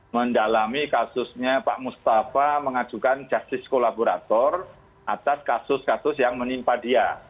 mendalami kasusnya pak mustafa mengajukan justice kolaborator atas kasus kasus yang menimpa dia